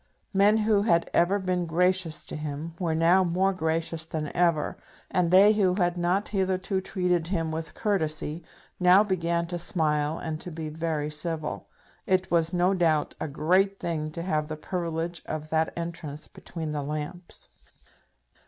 Men who had ever been gracious to him were now more gracious than ever, and they who had not hitherto treated him with courtesy, now began to smile and to be very civil. It was, no doubt, a great thing to have the privilege of that entrance between the lamps.